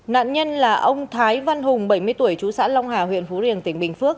nạn nhân là ông thái văn hùng bảy mươi tuổi chú xã long hà huyện phú riềng tỉnh bình phước